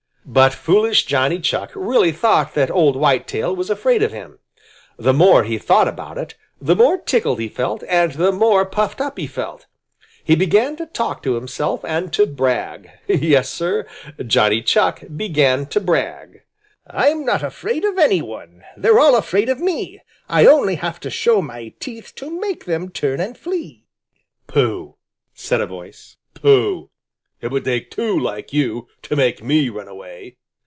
But foolish Johnny Chuck really thought that old Whitetail was afraid of him. The more he thought about it, the more tickled he felt and the more puffed up he felt. He began to talk to himself and to brag. Yes, Sir, Johnny Chuck began to brag: "I'm not afraid of any one; They're all afraid of me! I only have to show my teeth To make them turn and flee!" "Pooh!" said a voice. "Pooh! It would take two like you to make me run away!"